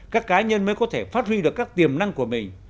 các cá nhân mới có thể phát huy được các tiềm năng của mình